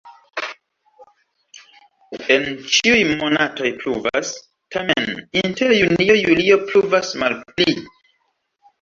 En ĉiuj monatoj pluvas, tamen inter junio-julio pluvas malpli.